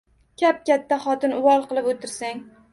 Kap-katta xotin uvol qilib o‘tirsang.